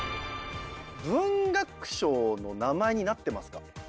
文学賞の名前になってますか？